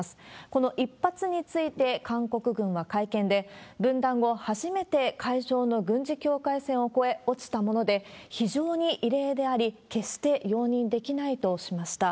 この１発について、韓国軍は会見で、分断後、初めて海上の軍事境界線を越え落ちたもので、非常に異例であり、決して容認できないとしました。